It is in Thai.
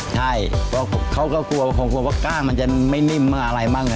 ใช่เขากลัวว่ากล้ามันจะไม่นิ่มหรืออะไรบ้าง